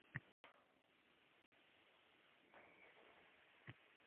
shtatlarda yashab kelgan diplomat qoʼshni